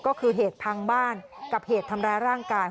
ก็คือเหตุพังบ้านกับเหตุทำร้ายร่างกาย